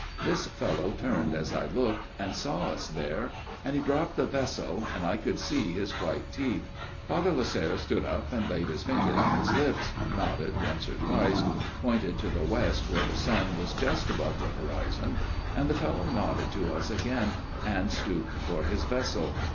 " This fellow turned as I looked, and saw us there, and he dropped the vessel, and I could see his white teeth. Father Lasserre stood up and laid his finger on his lips, nodded once or twice, pointed to the west where the sun was just above the horizon, and the fellow nodded to us again and stooped for his vessel.